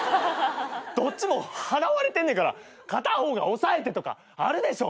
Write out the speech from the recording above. どっちも払われてんねんから片方が押さえてとかあるでしょ。